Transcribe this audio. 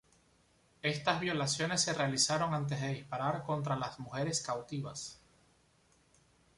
Estas violaciones se realizaron antes de disparar contra las mujeres cautivas.